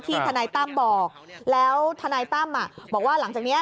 ที่ทนัยตั้มบอกแล้วทนัยตั้มอ่ะบอกว่าหลังจากเนี้ย